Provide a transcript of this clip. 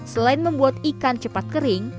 selain membuat ikan cepat kering